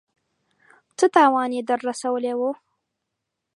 څه تاوان يې در رسولی و.